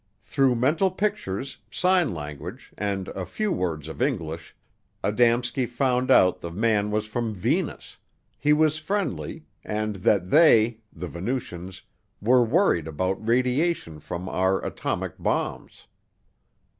Through mental pictures, sign language, and a few words of English, Adamski found out the man was from Venus, he was friendly, and that they (the Venusians) were worried about radiation from our atomic bombs.